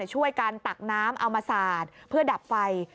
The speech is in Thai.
ช่วยกันตักน้ำเอามาสาดเพื่อดับไฟ